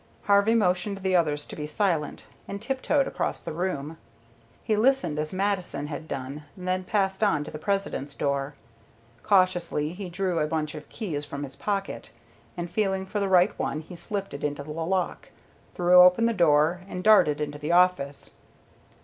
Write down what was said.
Harvey motioned the others to be silent, and tiptoed across the floor. He listened as Mattison had done, then passed on to the President's door. Cautiously he drew a bunch of keys from his pocket, and feeling for the right one he slipped it into the lock, threw open the door, and darted into the office.